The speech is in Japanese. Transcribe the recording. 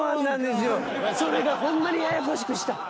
それがほんまにややこしくした。